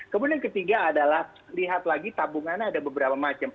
kemudian ketiga adalah lihat lagi tabungannya ada beberapa macam